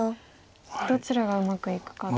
どちらがうまくいくかと。